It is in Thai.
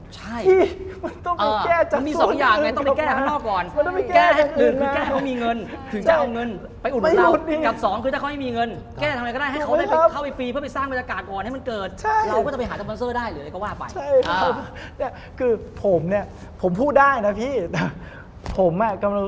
จริงคือแก้มีเงิน